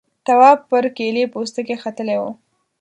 تواب پر کيلې پوستکي ختلی و.